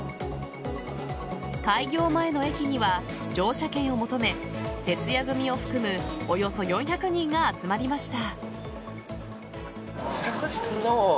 開業前の駅には乗車券を求め徹夜組を含むおよそ４００人が集まりました。